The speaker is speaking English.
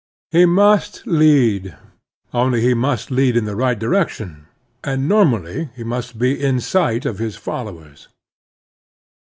He must lead, only he must lead in the right direction, and normally he must be in sight of his followers.